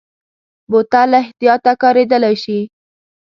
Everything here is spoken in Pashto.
بوتل له احتیاطه کارېدلی شي.